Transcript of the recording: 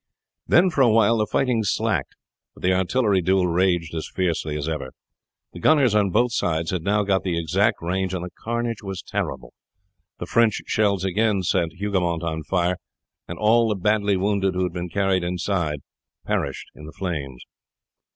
Then for a while the fighting slackened, but the artillery duel raged as fiercely as ever. The gunners on both sides had now got the exact range, and the carnage was terrible. The French shells again set Hougoumont on fire, and all the badly wounded who had been carried inside perished in the flames.